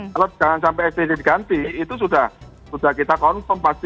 kalau jangan sampai sti diganti itu sudah kita konfirmasi